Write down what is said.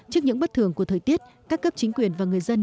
trước những bất thường của thời tiết các cấp chính quyền và người dân